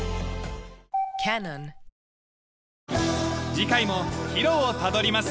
次回もヒロをたどります。